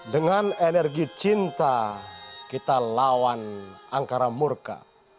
dengan energi cinta kita lawan angkara murka